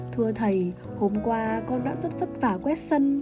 thưa thầy hôm qua con đã rất vất vả quét sân